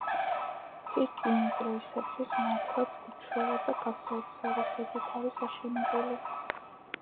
ცირკი იმ დროისათვის მართლაც უჩვეულო და გასაოცარი ხედვით არის აშენებული.